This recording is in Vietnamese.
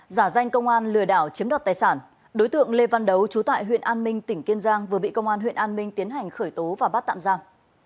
giả danh công an lừa đảo chiếm đoạt tài sản đối tượng lê văn đấu trú tại huyện an minh tỉnh kiên giang vừa bị công an huyện an minh tiến hành khởi tố và bắt tạm giam